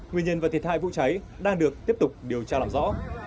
nguyên nhân và thiệt hại vụ cháy đang được tiếp tục điều tra làm rõ